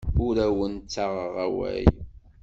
Ur awent-ttaɣeɣ awal.